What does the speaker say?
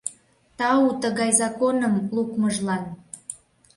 Тау тыгай законым лукмыжлан!